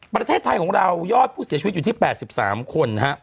ประเทศไทยของเรายอดผู้เสียชีวิตอยู่ที่๘๓คน